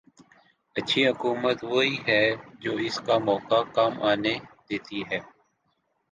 اچھی حکومت وہی ہے جو اس کا موقع کم آنے دیتی ہے۔